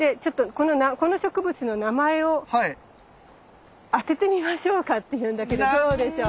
でこの植物の名前を当ててみましょうかっていうんだけどどうでしょう？